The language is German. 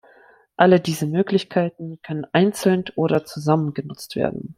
Alle diese Möglichkeiten können einzeln oder zusammen genutzt werden.